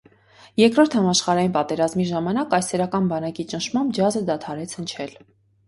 Երկրորդ համաշխարհային պատերազմի ժամանակ կայսերական բանակի ճնշմամբ ջազը դադարեց հնչել։